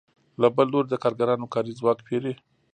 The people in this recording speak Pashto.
له بل لوري د کارګرانو کاري ځواک پېري